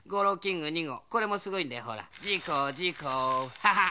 ハハッ。